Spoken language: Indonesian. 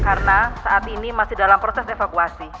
karena saat ini masih dalam proses evakuasi